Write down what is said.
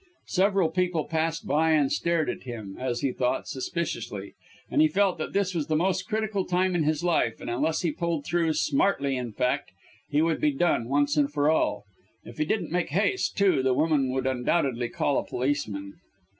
Several people passed by and stared at him as he thought suspiciously, and he felt that this was the most critical time in his life, and unless he pulled through, smartly in fact, he would be done once and for all. If he didn't make haste, too, the woman would undoubtedly call a policeman.